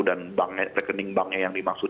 dan tekening banknya yang dimaksud